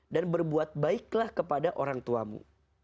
dan berbuat baiklah kepada orang tuamu